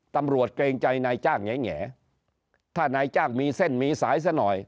เกรงใจนายจ้างแง่ถ้านายจ้างมีเส้นมีสายซะหน่อย